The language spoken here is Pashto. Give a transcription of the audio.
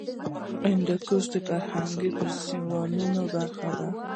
هندوکش د فرهنګي فستیوالونو برخه ده.